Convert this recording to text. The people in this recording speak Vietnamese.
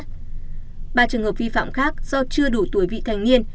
ba trường hợp vi phạm khác do chưa đủ tuổi vị thành niên